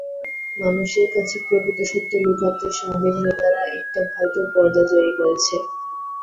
মানুষের কাছে প্রকৃত সত্য লুকাতে সংবিধানে তারা একটা ফালতু পর্দা তৈরি করেছে।